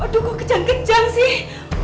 aduh kok kejang kejang sih